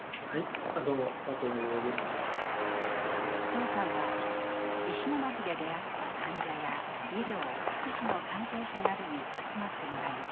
長さんは石巻で出会った患者や医療・福祉の関係者などに集まってもらいました。